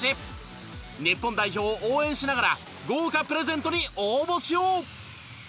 日本代表を応援しながら豪華プレゼントに応募しよう。